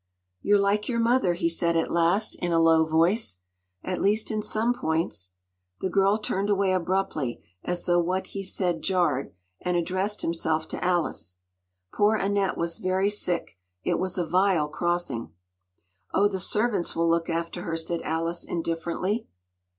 “You’re like your mother,” he said, at last, in a low voice; “at least in some points.” The girl turned away abruptly, as though what he said jarred, and addressed herself to Alice. “Poor Annette was very sick. It was a vile crossing.” “Oh, the servants will look after her,” said Alice indifferently.